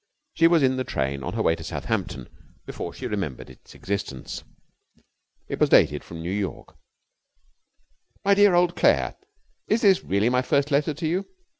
She was in the train on her way to Southampton before she remembered its existence. It was dated from New York. MY DEAR OLD CLAIRE, Is this really my first letter to you?